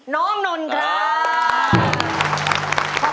น้องนนครับ